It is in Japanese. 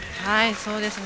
そうですね。